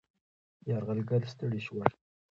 یرغلګر ستړي شول.